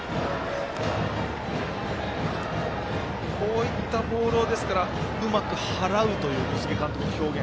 こういったボールをうまく払うという小菅監督の表現。